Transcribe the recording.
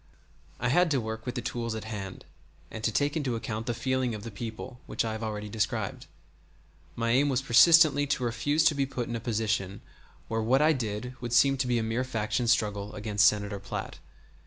I had to work with the tools at hand and to take into account the feeling of the people, which I have already described. My aim was persistently to refuse to be put in a position where what I did would seem to be a mere faction struggle against Senator Platt.